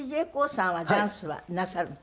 ＤＪＫＯＯさんはダンスはなさるの？